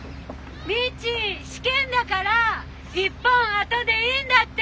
未知試験だから１本あとでいいんだって！